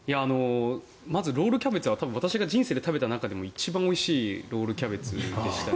まずロールキャベツは私が人生で食べた中でも一番おいしいロールキャベツでしたね。